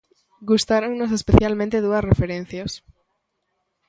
Gustáronnos especialmente dúas referencias.